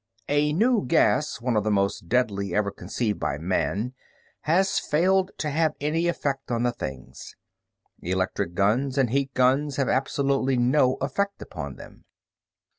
A new gas, one of the most deadly ever conceived by man, has failed to have any effect on the things. Electric guns and heat guns have absolutely no effect upon them.